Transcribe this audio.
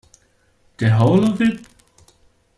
The whole of it?.